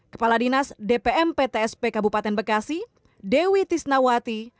kepala dinas dpm ptsp kabupaten bekasi dewi tisnawati